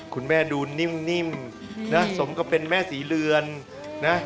คุณแม่ดูนิ่มนะสมกับเป็นแม่ศรีเรือนนะ